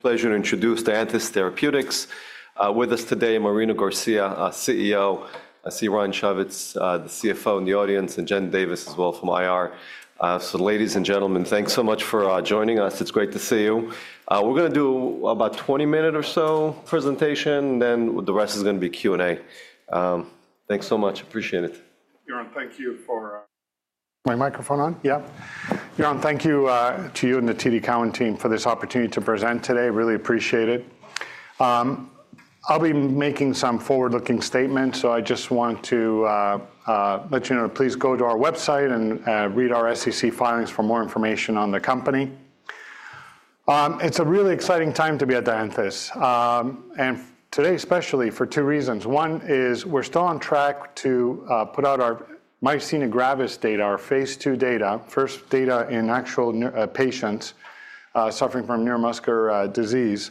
Pleasure to introduce Dianthus Therapeutics. With us today, Marino Garcia, CEO; I see Ryan Savitz, the CFO, in the audience; and Jen Davis, as well, from IR. Ladies and gentlemen, thanks so much for joining us. It's great to see you. We're going to do about a 20-minute or so presentation, and the rest is going to be Q&A. Thanks so much. Appreciate it. Thank you for. My microphone on? Yeah. Thank you to you and the TD Cowen team for this opportunity to present today. Really appreciate it. I'll be making some forward-looking statements, so I just want to let you know, please go to our website and read our SEC filings for more information on the company. It's a really exciting time to be at Dianthus. Today, especially, for two reasons. One is we're still on track to put out our myasthenia gravis data, our phase II data, first data in actual patients suffering from neuromuscular disease.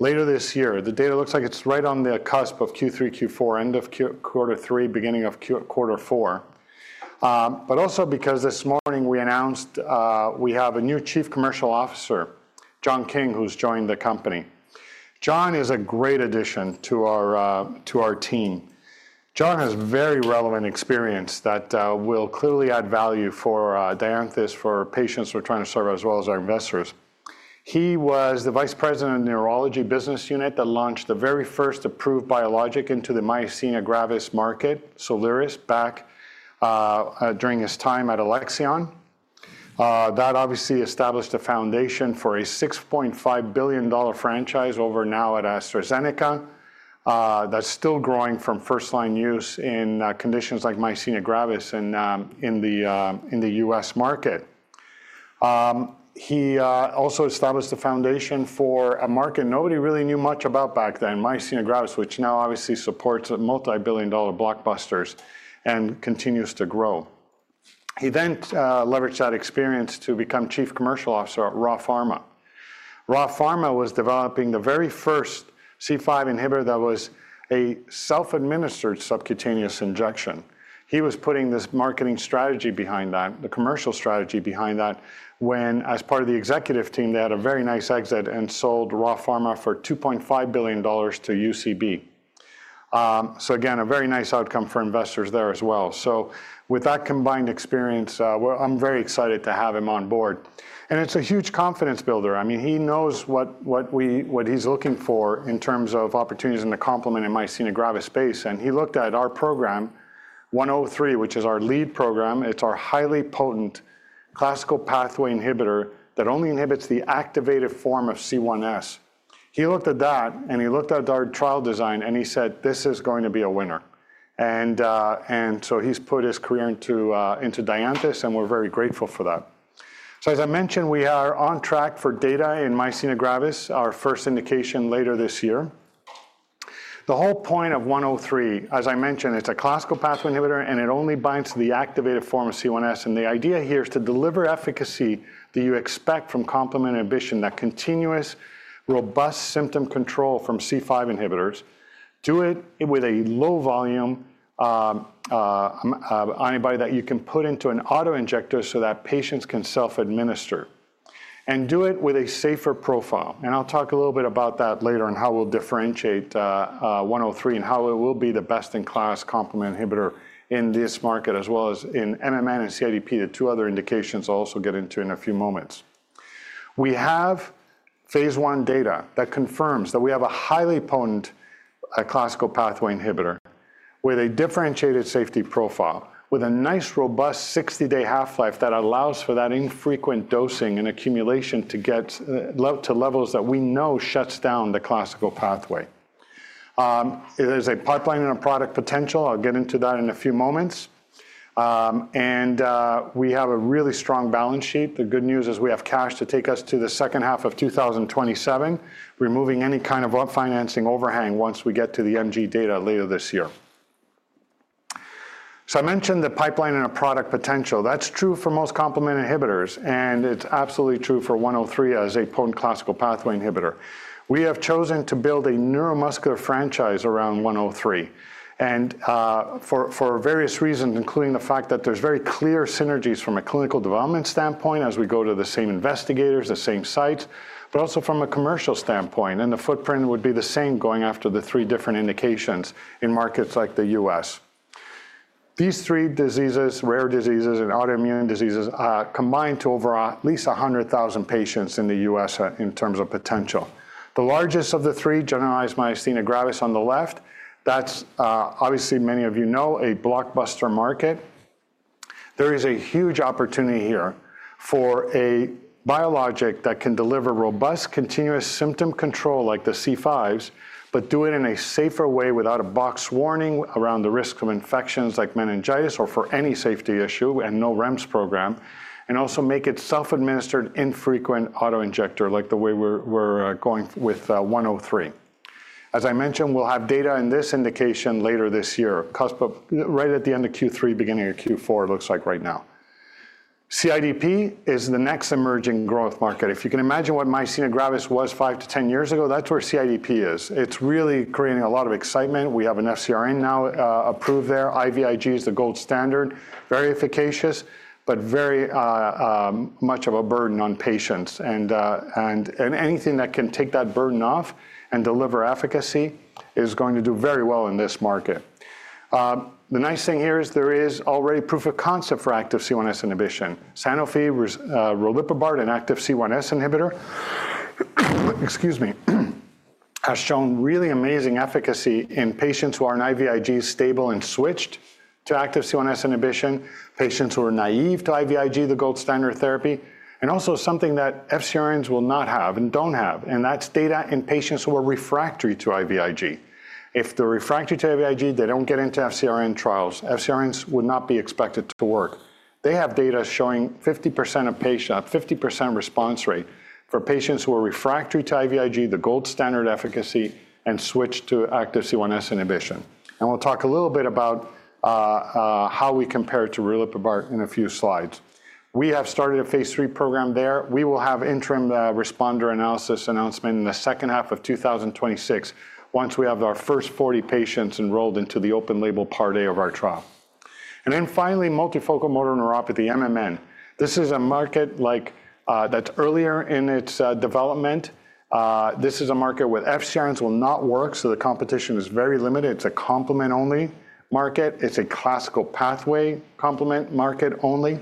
Later this year, the data looks like it's right on the cusp of Q3, Q4, end of Q3, beginning of Q4. Also because this morning we announced we have a new Chief Commercial Officer, John King, who's joined the company. John is a great addition to our team. John has very relevant experience that will clearly add value for Dianthus, for patients we're trying to serve, as well as our investors. He was the Vice President of Neurology Business Unit that launched the very first approved biologic into the myasthenia gravis market, Soliris, back during his time at Alexion. That obviously established a foundation for a $6.5 billion franchise over now at AstraZeneca that's still growing from first-line use in conditions like myasthenia gravis in the US market. He also established a foundation for a market nobody really knew much about back then, myasthenia gravis, which now obviously supports multi-billion dollar blockbusters and continues to grow. He then leveraged that experience to become Chief Commercial Officer at Ra Pharma. Ra Pharma was developing the very first C5 inhibitor that was a self-administered subcutaneous injection. He was putting this marketing strategy behind that, the commercial strategy behind that, when, as part of the executive team, they had a very nice exit and sold Ra Pharma for $2.5 billion to UCB. Again, a very nice outcome for investors there as well. With that combined experience, I'm very excited to have him on board. It's a huge confidence builder. I mean, he knows what he's looking for in terms of opportunities in the complement in myasthenia gravis space. He looked at our program, 103, which is our lead program. It's our highly potent classical pathway inhibitor that only inhibits the activated form of C1s. He looked at that, and he looked at our trial design, and he said, "This is going to be a winner." He's put his career into Dianthus, and we're very grateful for that. A s I mentioned, we are on track for data in myasthenia gravis, our first indication later this year. The whole point of 103, as I mentioned, it's a classical pathway inhibitor, and it only binds to the activated form of C1s. The idea here is to deliver efficacy that you expect from complement inhibition, that continuous, robust symptom control from C5 inhibitors. Do it with a low-volume antibody that you can put into an autoinjector so that patients can self-administer. Do it with a safer profile. I'll talk a little bit about that later and how we'll differentiate 103 and how it will be the best-in-class complement inhibitor in this market, as well as in MMN and CIDP, the two other indications I'll also get into in a few moments. We have phase one data that confirms that we have a highly potent classical pathway inhibitor with a differentiated safety profile, with a nice, robust 60-day half-life that allows for that infrequent dosing and accumulation to get to levels that we know shuts down the classical pathway. There is a pipeline and a product potential. I'll get into that in a few moments. We have a really strong balance sheet. The good news is we have cash to take us to the second half of 2027, removing any kind of upfinancing overhang once we get to the gMG data later this year. I mentioned the pipeline and a product potential. That's true for most complement inhibitors, and it's absolutely true for 103 as a potent classical pathway inhibitor. We have chosen to build a neuromuscular franchise around 103, and for various reasons, including the fact that there are very clear synergies from a clinical development standpoint as we go to the same investigators, the same site, but also from a commercial standpoint. The footprint would be the same going after the three different indications in markets like the US. These three diseases, rare diseases and autoimmune diseases, combine to over at least 100,000 patients in the US in terms of potential. The largest of the three, generalized myasthenia gravis on the left, that's obviously, many of you know, a blockbuster market. There is a huge opportunity here for a biologic that can deliver robust continuous symptom control like the C5s, but do it in a safer way without a box warning around the risk of infections like meningitis or for any safety issue and no REMS program, and also make it self-administered, infrequent autoinjector like the way we're going with 103. As I mentioned, we'll have data in this indication later this year, right at the end of Q3, beginning of Q4, it looks like right now. CIDP is the next emerging growth market. If you can imagine what myasthenia gravis was 5 to 10 years ago, that's where CIDP is. It's really creating a lot of excitement. We have an FcRn now approved there. IVIG is the gold standard. Very efficacious, but very much of a burden on patients. Anything that can take that burden off and deliver efficacy is going to do very well in this market. The nice thing here is there is already proof of concept for active C1s inhibition. Sanofi, riliprubart, an active C1s inhibitor, excuse me, has shown really amazing efficacy in patients who are on IVIG stable and switched to active C1s inhibition, patients who are naive to IVIG, the gold standard therapy, and also something that FcRns will not have and do not have. That is data in patients who are refractory to IVIG. If they are refractory to IVIG, they do not get into FcRn trials. FcRns would not be expected to work. They have data showing 50% of patients, 50% response rate for patients who are refractory to IVIG, the gold standard efficacy, and switch to active C1s inhibition. We will talk a little bit about how we compare to riliprubart in a few slides. We have started a phase three program there. We will have interim responder analysis announcement in the second half of 2026, once we have our first 40 patients enrolled into the open label part A of our trial. Finally, multifocal motor neuropathy, MMN. This is a market that is earlier in its development. This is a market where FcRns will not work, so the competition is very limited. It is a complement-only market. It is a classical pathway complement market only.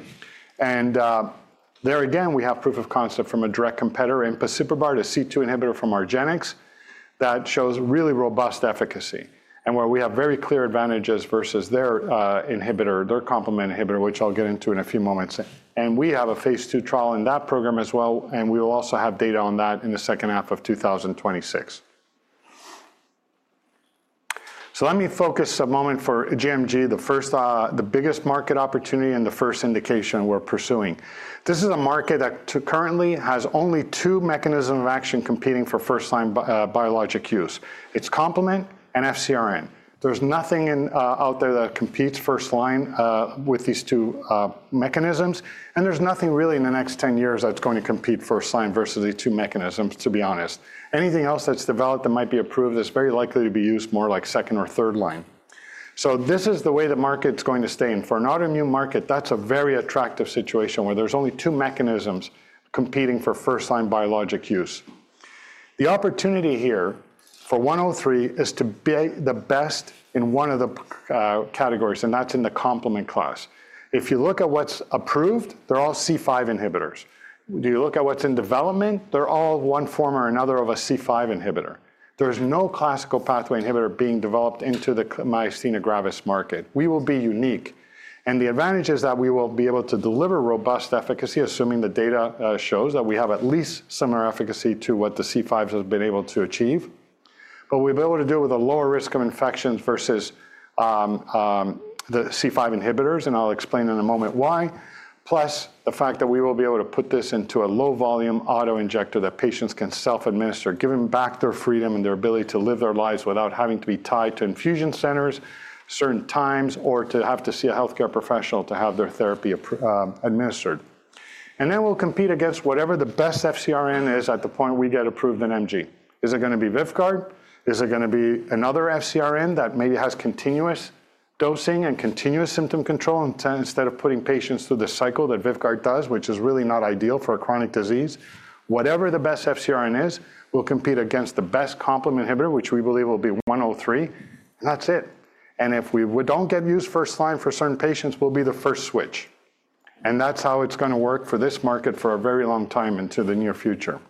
There, again, we have proof of concept from a direct competitor, empasiprubart, a C2 inhibitor from Argenx that shows really robust efficacy, and where we have very clear advantages versus their inhibitor, their complement inhibitor, which I will get into in a few moments. We have a phase two trial in that program as well, and we will also have data on that in the second half of 2026. Let me focus a moment for gMG, the biggest market opportunity and the first indication we're pursuing. This is a market that currently has only two mechanisms of action competing for first-line biologic use. It's complement and FcRn. There's nothing out there that competes first-line with these two mechanisms, and there's nothing really in the next 10 years that's going to compete first-line versus the two mechanisms, to be honest. Anything else that's developed that might be approved is very likely to be used more like second or third-line. This is the way the market's going to stay. For an autoimmune market, that's a very attractive situation where there's only two mechanisms competing for first-line biologic use. The opportunity here for 103 is to be the best in one of the categories, and that's in the complement class. If you look at what's approved, they're all C5 inhibitors. If you look at what's in development, they're all one form or another of a C5 inhibitor. There's no classical pathway inhibitor being developed into the myasthenia gravis market. We will be unique. The advantage is that we will be able to deliver robust efficacy, assuming the data shows that we have at least similar efficacy to what the C5s have been able to achieve. We will be able to do it with a lower risk of infections versus the C5 inhibitors, and I'll explain in a moment why, plus the fact that we will be able to put this into a low-volume autoinjector that patients can self-administer, giving back their freedom and their ability to live their lives without having to be tied to infusion centers certain times or to have to see a healthcare professional to have their therapy administered. We will compete against whatever the best FcRn is at the point we get approved in gMG. Is it going to be Vyvgart? Is it going to be another FcRn that maybe has continuous dosing and continuous symptom control instead of putting patients through the cycle that Vyvgart does, which is really not ideal for a chronic disease? Whatever the best FcRn is, we'll compete against the best complement inhibitor, which we believe will be 103, and that's it. If we don't get used first-line for certain patients, we'll be the first switch. That's how it's going to work for this market for a very long time into the near future,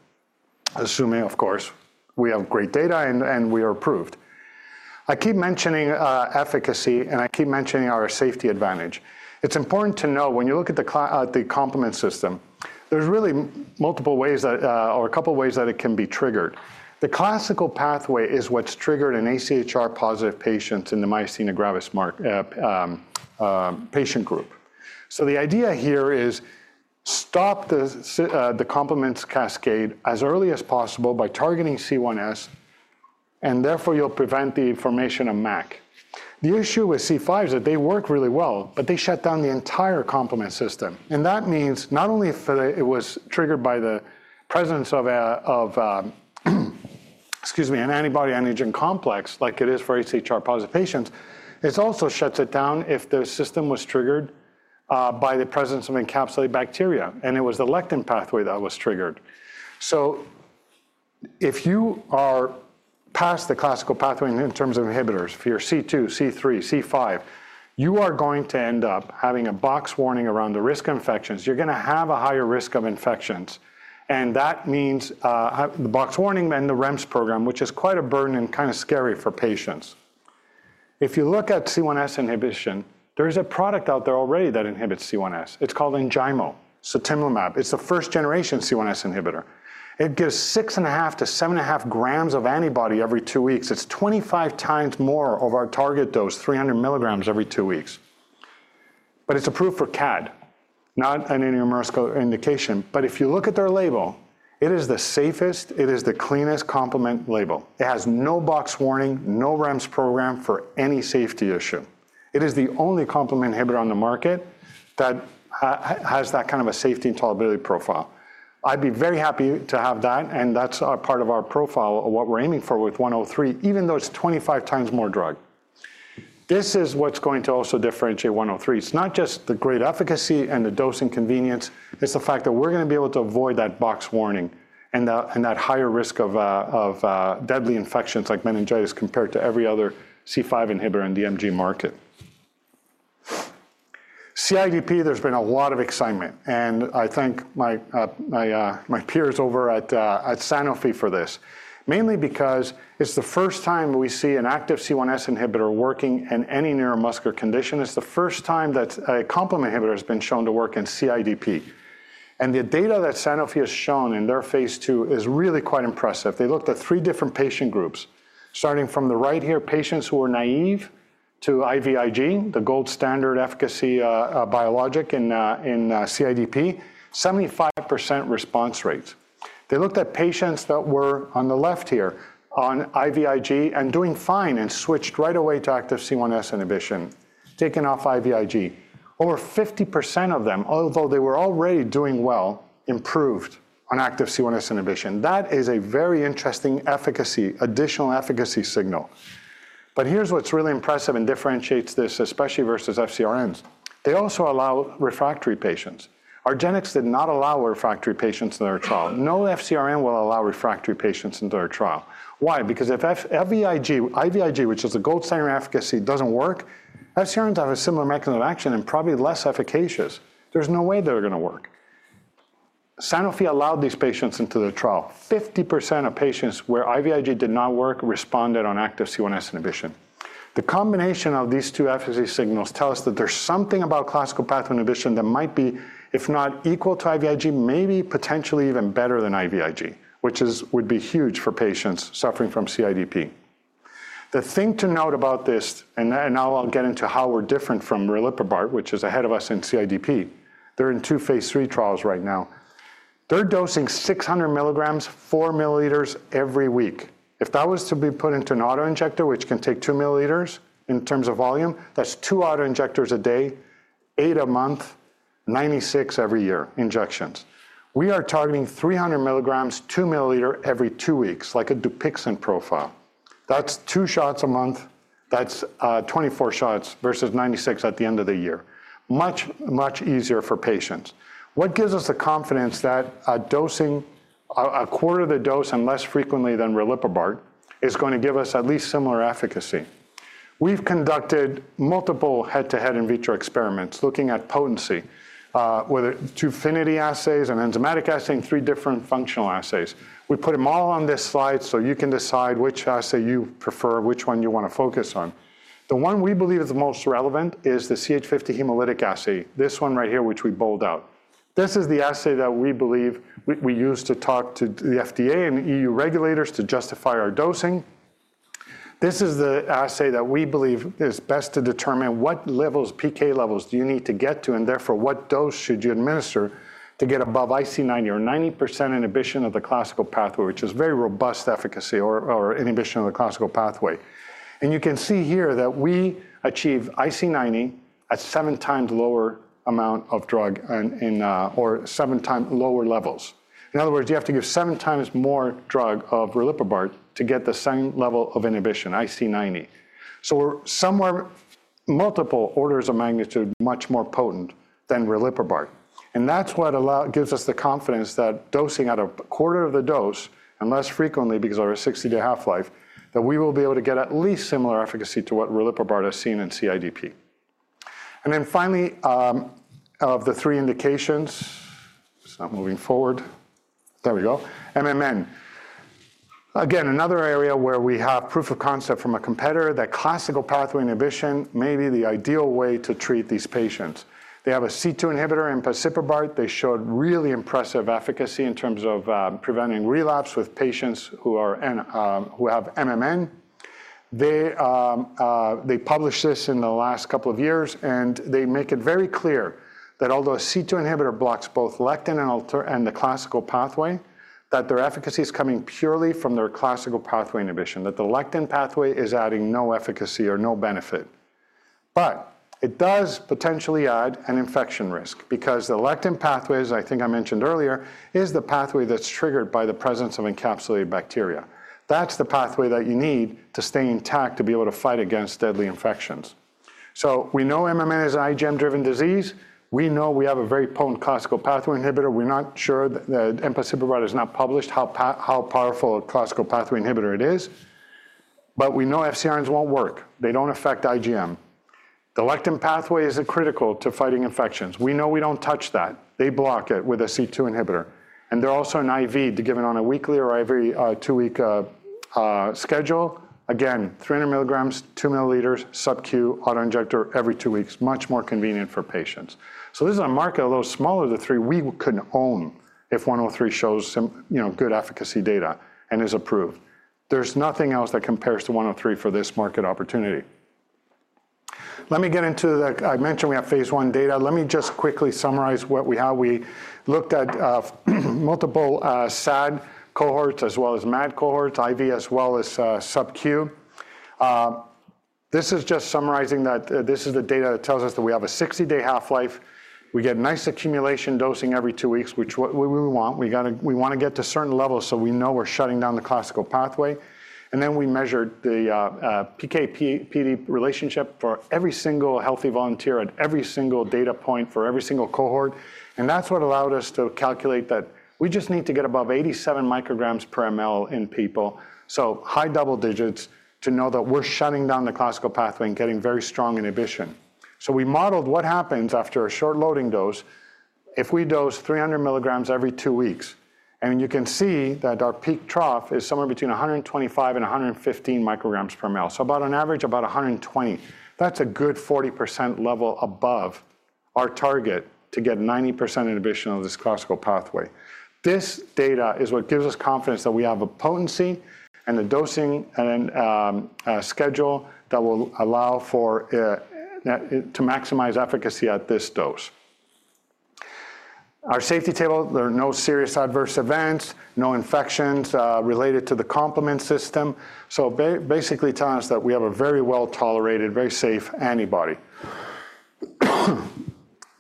assuming, of course, we have great data and we are approved. I keep mentioning efficacy, and I keep mentioning our safety advantage. It's important to know when you look at the complement system, there's really multiple ways that, or a couple of ways that it can be triggered. The classical pathway is what's triggered in AChR-positive patients in the myasthenia gravis patient group. The idea here is stop the complement cascade as early as possible by targeting C1s, and therefore you'll prevent the formation of MAC. The issue with C5s is that they work really well, but they shut down the entire complement system. That means not only if it was triggered by the presence of, excuse me, an antibody-antigen complex like it is for AChR-positive patients, it also shuts it down if the system was triggered by the presence of encapsulated bacteria, and it was the lectin pathway that was triggered. If you are past the classical pathway in terms of inhibitors, if you're C2, C3, C5, you are going to end up having a box warning around the risk of infections. You're going to have a higher risk of infections. That means the box warning and the REMS program, which is quite a burden and kind of scary for patients. If you look at C1s inhibition, there is a product out there already that inhibits C1s. It's called Enjaymo, sutimlimab. It's the first-generation C1s inhibitor. It gives 6.5 to 7.5g of antibody every two weeks. It's 25 times more of our target dose, 300 milligrams every two weeks. It is approved for CAD, not an intramuscular indication. If you look at their label, it is the safest, it is the cleanest complement label. It has no box warning, no REMS program for any safety issue. It is the only complement inhibitor on the market that has that kind of a safety and tolerability profile. I'd be very happy to have that, and that's part of our profile, what we're aiming for with 103, even though it's 25 times more drug. This is what's going to also differentiate 103. It's not just the great efficacy and the dose and convenience. It's the fact that we're going to be able to avoid that box warning and that higher risk of deadly infections like meningitis compared to every other C5 inhibitor in the gMG market. CIDP, there's been a lot of excitement, and I thank my peers over at Sanofi for this, mainly because it's the first time we see an active C1s inhibitor working in any neuromuscular condition. It's the first time that a complement inhibitor has been shown to work in CIDP. The data that Sanofi has shown in their phase two is really quite impressive. They looked at three different patient groups, starting from the right here, patients who were naive to IVIG, the gold standard efficacy biologic in CIDP, 75% response rate. They looked at patients that were on the left here on IVIG and doing fine and switched right away to active C1s inhibition, taken off IVIG. Over 50% of them, although they were already doing well, improved on active C1s inhibition. That is a very interesting additional efficacy signal. Here's what's really impressive and differentiates this, especially versus FcRns. They also allow refractory patients. Argenx did not allow refractory patients in their trial. No FcRn will allow refractory patients into their trial. Why? Because if IVIG, which is the gold standard efficacy, doesn't work, FcRns have a similar mechanism of action and probably less efficacious. There's no way they're going to work. Sanofi allowed these patients into their trial, 50% of patients where IVIG did not work responded on active C1s inhibition. The combination of these two efficacy signals tells us that there's something about classical pathway inhibition that might be, if not equal to IVIG, maybe potentially even better than IVIG, which would be huge for patients suffering from CIDP. The thing to note about this, and now I'll get into how we're different from riliprubart, which is ahead of us in CIDP, they're in two phase three trials right now. They're dosing 600mg, 4mL every week. If that was to be put into an autoinjector, which can take 2mL in terms of volume, that's two autoinjectors a day, eight a month, 96 every year injections. We are targeting 300 milligrams, 2mL every two weeks, like a Dupixent profile. That's two shots a month. That's 24 shots versus 96 at the end of the year. Much, much easier for patients. What gives us the confidence that dosing a quarter of the dose and less frequently than riliprubart is going to give us at least similar efficacy? We've conducted multiple head-to-head in vitro experiments looking at potency, whether two affinity assays and enzymatic assay and three different functional assays. We put them all on this slide so you can decide which assay you prefer, which one you want to focus on. The one we believe is the most relevant is the CH50 hemolytic assay, this one right here, which we bold out. This is the assay that we believe we use to talk to the FDA and EU regulators to justify our dosing. This is the assay that we believe is best to determine what levels, PK levels, do you need to get to, and therefore what dose should you administer to get above IC90 or 90% inhibition of the classical pathway, which is very robust efficacy or inhibition of the classical pathway. You can see here that we achieve IC90 at seven times lower amount of drug or seven times lower levels. In other words, you have to give seven times more drug of riliprubart to get the same level of inhibition, IC90. We are somewhere multiple orders of magnitude much more potent than riliprubart. That is what gives us the confidence that dosing at a quarter of the dose and less frequently because of our 60-day half-life, we will be able to get at least similar efficacy to what riliprubart has seen in CIDP. Finally, of the three indications, stop moving forward. There we go, MMN. Again, another area where we have proof of concept from a competitor, that classical pathway inhibition may be the ideal way to treat these patients. They have a C2 inhibitor, empasiprubart. They showed really impressive efficacy in terms of preventing relapse with patients who have MMN. They published this in the last couple of years, and they make it very clear that although a C2 inhibitor blocks both lectin and the classical pathway, that their efficacy is coming purely from their classical pathway inhibition, that the lectin pathway is adding no efficacy or no benefit. It does potentially add an infection risk because the lectin pathway, I think I mentioned earlier, is the pathway that's triggered by the presence of encapsulated bacteria. That's the pathway that you need to stay intact to be able to fight against deadly infections. We know MMN is an IgM-driven disease. We know we have a very potent classical pathway inhibitor. We're not sure that empasiprubart is not published, how powerful a classical pathway inhibitor it is. We know FCRNs won't work. They don't affect IgM. The lectin pathway is critical to fighting infections. We know we don't touch that. They block it with a C2 inhibitor. They're also an IV to give it on a weekly or every two-week schedule. Again, 300 milligrams, 2 milliliters, subcu autoinjector every two weeks, much more convenient for patients. This is a market a little smaller than three we couldn't own if 103 shows good efficacy data and is approved. There's nothing else that compares to 103 for this market opportunity. Let me get into the I mentioned we have phase one data. Let me just quickly summarize how we looked at multiple SAD cohorts as well as MAD cohorts, IV as well as subcu. This is just summarizing that this is the data that tells us that we have a 60-day half-life. We get nice accumulation dosing every two weeks, which we want. We want to get to certain levels so we know we're shutting down the classical pathway. We measured the PK/PD relationship for every single healthy volunteer at every single data point for every single cohort. That is what allowed us to calculate that we just need to get above 87 micrograms per mL in people, so high double digits to know that we're shutting down the classical pathway and getting very strong inhibition. We modeled what happens after a short loading dose if we dose 300 milligrams every two weeks. You can see that our peak trough is somewhere between 125 and 115 micrograms per mL, so about an average of about 120. That is a good 40% level above our target to get 90% inhibition of this classical pathway. This data is what gives us confidence that we have a potency and a dosing schedule that will allow to maximize efficacy at this dose. Our safety table, there are no serious adverse events, no infections related to the complement system. Basically telling us that we have a very well-tolerated, very safe antibody.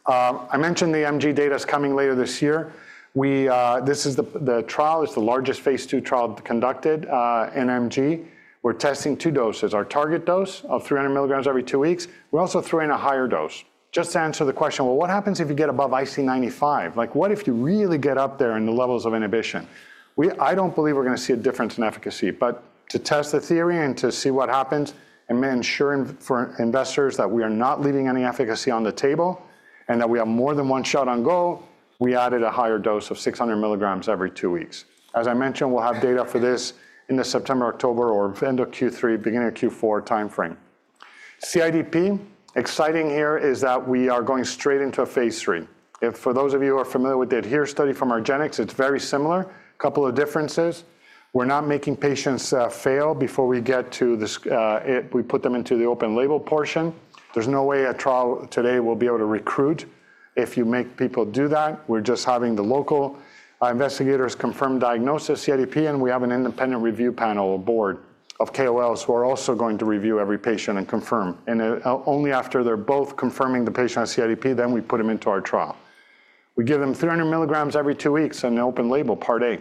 I mentioned the gMG data is coming later this year. This is the trial. It is the largest phase two trial conducted in gMG. We are testing two doses. Our target dose of 300 milligrams every two weeks. We're also throwing a higher dose. Just to answer the question, well, what happens if you get above IC95? Like, what if you really get up there in the levels of inhibition? I don't believe we're going to see a difference in efficacy. To test the theory and to see what happens and ensure for investors that we are not leaving any efficacy on the table and that we have more than one shot on goal, we added a higher dose of 600 milligrams every two weeks. As I mentioned, we'll have data for this in the September, October or end of Q3, beginning of Q4 timeframe. CIDP, exciting here is that we are going straight into a phase three. For those of you who are familiar with the ADHERE study from Argenx, it's very similar. Couple of differences. We're not making patients fail before we get to the we put them into the open label portion. There's no way a trial today will be able to recruit if you make people do that. We're just having the local investigators confirm diagnosis, CIDP, and we have an independent review panel or board of KOLs who are also going to review every patient and confirm. Only after they're both confirming the patient on CIDP, then we put them into our trial. We give them 300 milligrams every two weeks in the open label, part A.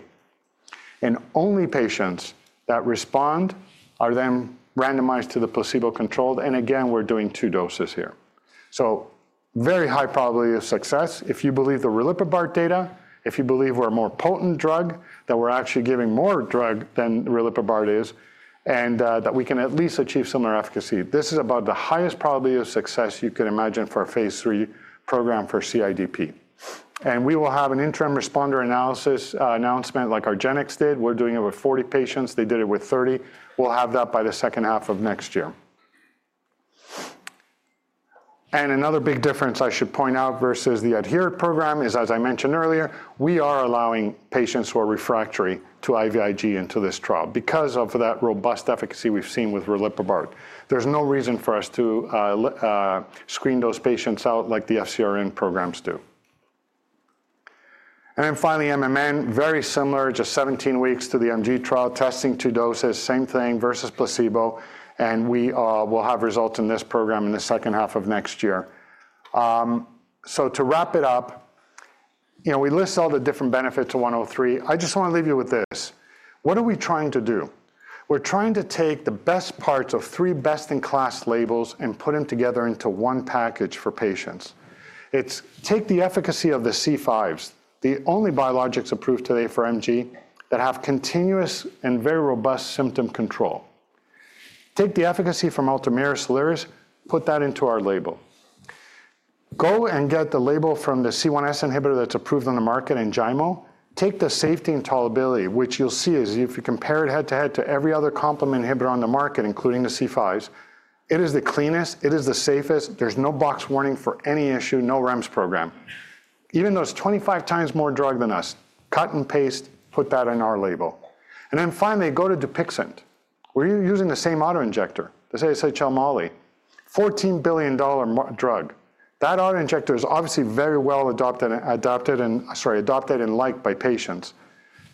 Only patients that respond are then randomized to the placebo-controlled. Again, we're doing two doses here. Very high probability of success if you believe the riliprubart data, if you believe we're a more potent drug, that we're actually giving more drug than riliprubart is, and that we can at least achieve similar efficacy. This is about the highest probability of success you could imagine for a phase three program for CIDP. We will have an interim responder analysis announcement like Argenx did. We're doing it with 40 patients. They did it with 30. We'll have that by the second half of next year. Another big difference I should point out versus the ADHERE program is, as I mentioned earlier, we are allowing patients who are refractory to IVIG into this trial because of that robust efficacy we've seen with riliprubart. There's no reason for us to screen those patients out like the FcRn programs do. Finally, MMN, very similar, just 17 weeks to the gMG trial, testing two doses, same thing versus placebo. We will have results in this program in the second half of next year. To wrap it up, we list all the different benefits of 103. I just want to leave you with this. What are we trying to do? We're trying to take the best parts of three best-in-class labels and put them together into one package for patients. It's take the efficacy of the C5s, the only biologics approved today for gMG that have continuous and very robust symptom control. Take the efficacy from Soliris, put that into our label. Go and get the label from the C1s inhibitor that's approved on the market, sutimlimab. Take the safety and tolerability, which you'll see is if you compare it head-to-head to every other complement inhibitor on the market, including the C5s, it is the cleanest, it is the safest. There's no box warning for any issue, no REMS program. Even though it's 25 times more drug than us, cut and paste, put that in our label. Finally, go to Dupixent. We're using the same autoinjector, the SHL Molly, $14 billion drug. That autoinjector is obviously very well adopted and liked by patients.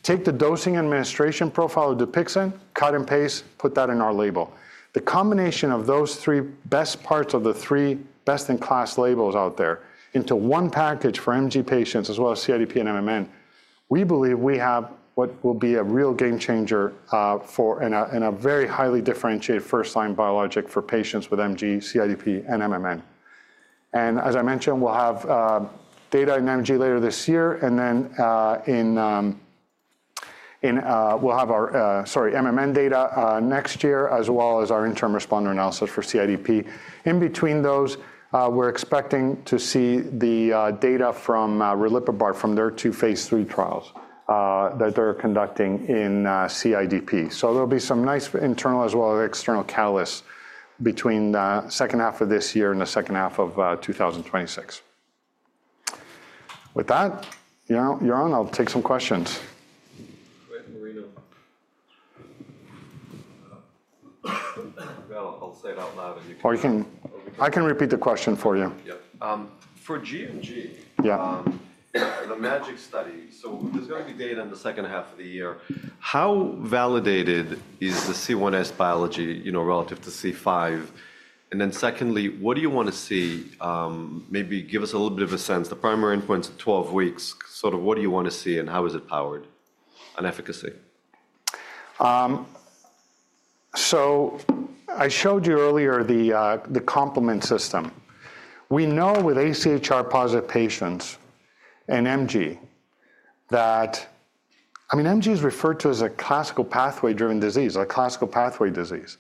Take the dosing administration profile of Dupixent, cut and paste, put that in our label. The combination of those three best parts of the three best-in-class labels out there into one package for gMG patients as well as CIDP and MMN, we believe we have what will be a real game changer and a very highly differentiated first-line biologic for patients with gMG, CIDP, and MMN. As I mentioned, we'll have data in gMG later this year. We'll have our MMN data next year as well as our interim responder analysis for CIDP. In between those, we're expecting to see the data from riliprubart from their two phase three trials that they're conducting in CIDP. There will be some nice internal as well as external catalysts between the second half of this year and the second half of 2026. With that, you're on. I'll take some questions. Go ahead, Marino. I'll say it out loud and you can. I can repeat the question for you. Yeah. For gMG, the MaGic study, there's going to be data in the second half of the year. How validated is the C1s biology relative to C5? Then secondly, what do you want to see? Maybe give us a little bit of a sense. The primary endpoint of 12 weeks, sort of what do you want to see and how is it powered on efficacy? I showed you earlier the complement system. We know with AChR-positive patients and gMG that, I mean, gMG is referred to as a classical pathway-driven disease, a classical pathway disease.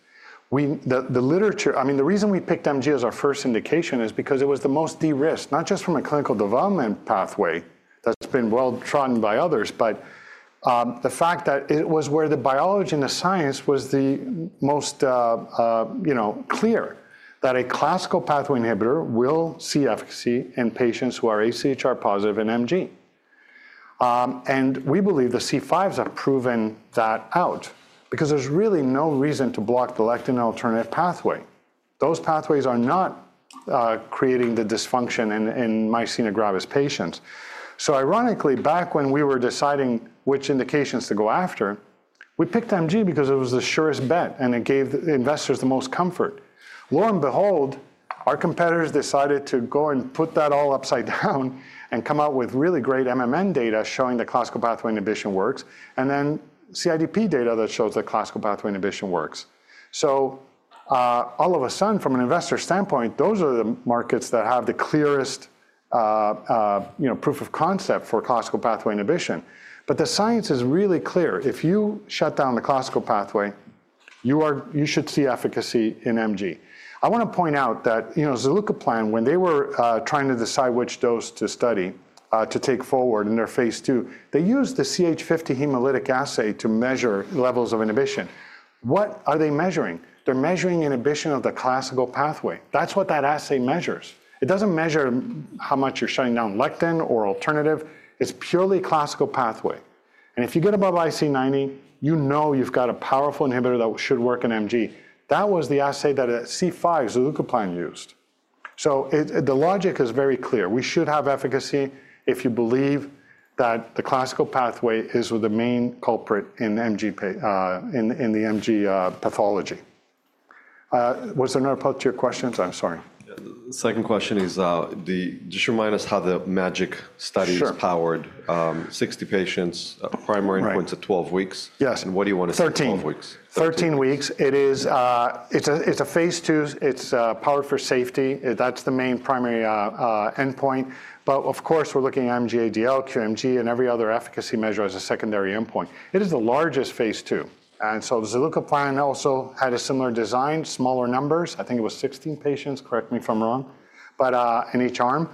The literature, I mean, the reason we gMG as our first indication is because it was the most de-risked, not just from a clinical development pathway that's been well-trodden by others, but the fact that it was where the biology and the science was the most clear that a classical pathway inhibitor will see efficacy in patients who are AChR-positive and gMG. I mean, we believe the C5s have proven that out because there's really no reason to block the lectin alternative pathway. Those pathways are not creating the dysfunction in myasthenia gravis patients. Ironically, back when we were deciding which indications to go after, we picked gMG because it was the surest bet and it gave investors the most comfort. Lo and behold, our competitors decided to go and put that all upside down and come out with really great MMN data showing that classical pathway inhibition works and then CIDP data that shows that classical pathway inhibition works. All of a sudden, from an investor standpoint, those are the markets that have the clearest proof of concept for classical pathway inhibition. The science is really clear. If you shut down the classical pathway, you should see efficacy in gMG. I want to point out that zilucoplan, when they were trying to decide which dose to study to take forward in their phase two, they used the CH50 hemolytic assay to measure levels of inhibition. What are they measuring? They're measuring inhibition of the classical pathway. That's what that assay measures. It doesn't measure how much you're shutting down lectin or alternative. It's purely classical pathway. If you get above IC90, you know you've got a powerful inhibitor that should work in gMG. That was the assay that C5 zilucoplan used. The logic is very clear. We should have efficacy if you believe that the classical pathway is the main culprit in the gMG pathology. Was there another posterior question? I'm sorry. The second question is, just remind us how the MaGic study is powered. Sixty patients, primary influence of 12 weeks. Yes. What do you want to see in 12 weeks? Thirteen weeks. It's a phase II. It's powered for safety. That's the main primary endpoint. Of course, we're looking at MG-ADL, QMG, and every other efficacy measure as a secondary endpoint. It is the largest phase II. Zilucoplan also had a similar design, smaller numbers. I think it was 16 patients, correct me if I'm wrong, in each arm.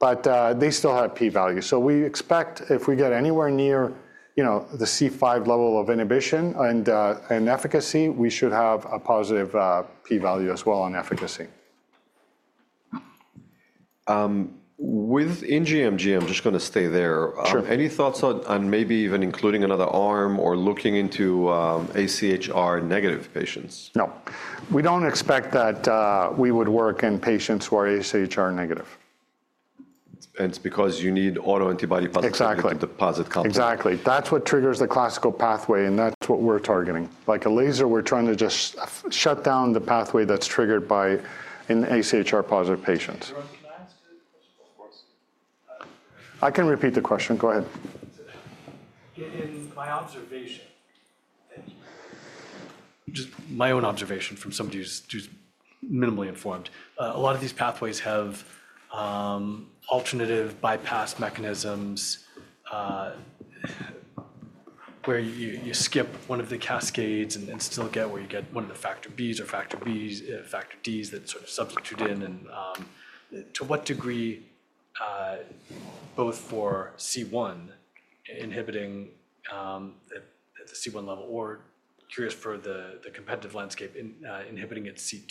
They still had P value. We expect if we get anywhere near the C5 level of inhibition and efficacy, we should have a positive P value as well on efficacy. With gMG, I'm just going to stay there. Any thoughts on maybe even including another arm or looking into AChR negative patients? No. We don't expect that we would work in patients who are AChR negative. It's because you need autoantibody positive to deposit complement. Exactly. That's what triggers the classical pathway, and that's what we're targeting. Like a laser, we're trying to just shut down the pathway that's triggered by an AChR-positive patient. I can repeat the question. Go ahead. In my observation, just my own observation from somebody who's minimally informed, a lot of these pathways have alternative bypass mechanisms where you skip one of the cascades and still get where you get one of the Factor B or Factor D is that sort of substitute in. To what degree, both for C1 inhibiting at the C1 level or curious for the competitive landscape inhibiting at C2,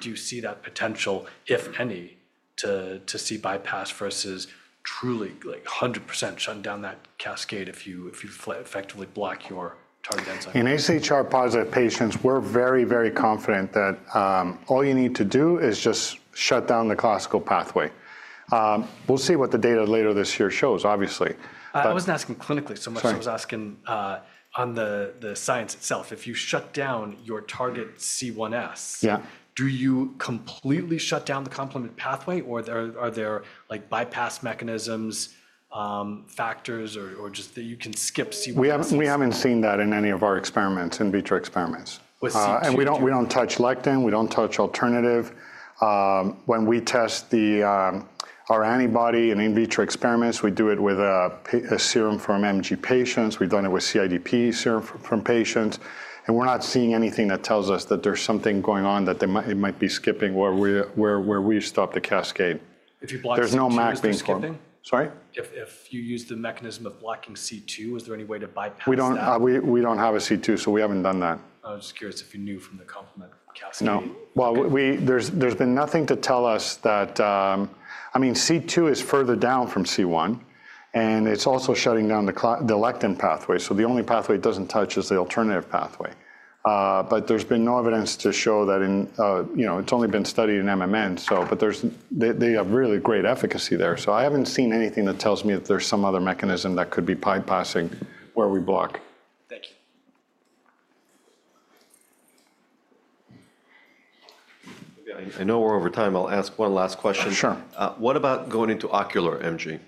do you see that potential, if any, to see bypass versus truly 100% shut down that cascade if you effectively block your target enzyme? In AChR-positive patients, we're very, very confident that all you need to do is just shut down the classical pathway. We'll see what the data later this year shows, obviously. I wasn't asking clinically so much. I was asking on the science itself. If you shut down your target C1s, do you completely shut down the complement pathway, or are there bypass mechanisms, factors, or just that you can skip C1? We haven't seen that in any of our experiments, in vitro experiments. We don't touch lectin. We don't touch alternative. When we test our antibody in in vitro experiments, we do it with a serum from gMG patients. We've done it with CIDP serum from patients. We're not seeing anything that tells us that there's something going on that it might be skipping where we stop the cascade. There's no MAC being skipped. If you use the mechanism of blocking C2, is there any way to bypass? We don't have a C2, so we haven't done that. I was just curious if you knew from the complement cascade. No. There's been nothing to tell us that. I mean, C2 is further down from C1, and it's also shutting down the lectin pathway. The only pathway it doesn't touch is the alternative pathway. There's been no evidence to show that. It's only been studied in MMN, but they have really great efficacy there. I haven't seen anything that tells me that there's some other mechanism that could be bypassing where we block. Thank you. I know we're over time. I'll ask one last question. Sure. What about going into ocular gMG?